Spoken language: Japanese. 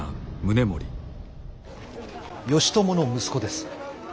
義朝の息子です。